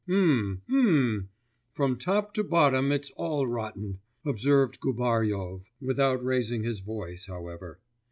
'Mmm.... Mmm.... From top to bottom it's all rotten,' observed Gubaryov, without raising his voice, however.